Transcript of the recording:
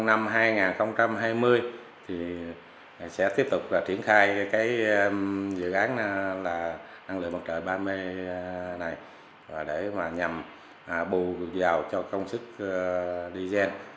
năm hai nghìn hai mươi thì sẽ tiếp tục triển khai dự án năng lượng mặt trời ba mw này để nhằm bù vào công sức diesel